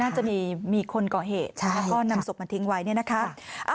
จะมีคนก่อเหตุแล้วก็นำศพมาทิ้งไว้เนี่ยนะคะ